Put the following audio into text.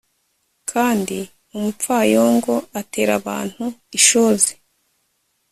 kandi umupfayongo atera abantu ishozi